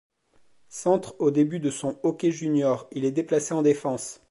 Centre au début de son hockey junior, il est déplacé en défense.